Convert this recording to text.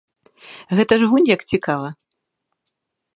Гэта ж вунь як цікава!